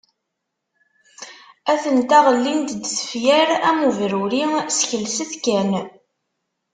Atent-a ɣellint-d tefyar am ubruri, skelset kan!